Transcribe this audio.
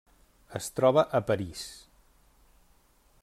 Es troba a París.